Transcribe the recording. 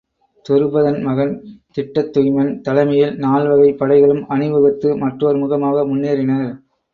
துருபதன் மகன் திட்டத்துய்மன் தலைமையில் நால்வகைப் படைகளும் அணிவகுத்து மற்றோர் முகமாக முன்னேறினர்.